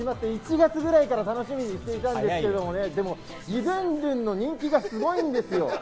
１月ぐらいから楽しみにしていたんですけれども、ギドゥンドゥンの人気がすごいんですよ。